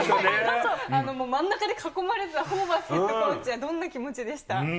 真ん中で囲まれてたホーバスヘッドコーチは、どんな気持ちでした？